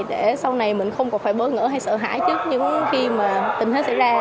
để sau này mình không còn phải bỡ ngỡ hay sợ hãi trước những khi mà tình hết xảy ra